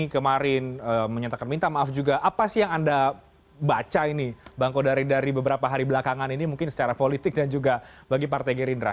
kemarin menyatakan minta maaf juga apa sih yang anda baca ini bang kodari dari beberapa hari belakangan ini mungkin secara politik dan juga bagi partai gerindra